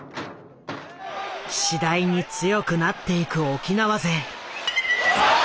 次第に強くなっていく沖縄勢。